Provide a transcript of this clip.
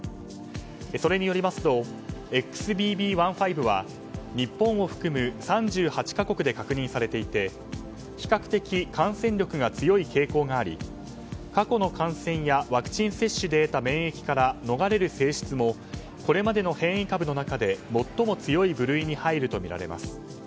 それによりますとＸＢＢ．１．５は日本を含む３８か国で確認されていて比較的、感染力が強い傾向があり過去の感染やワクチン接種で得た免疫から逃れる性質もこれまでの変異株の中で最も強い部類に入るとみられます。